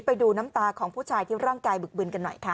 ไปดูน้ำตาของผู้ชายที่ร่างกายบึกบึนกันหน่อยค่ะ